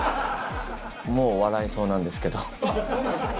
もう笑いそうなんですけど。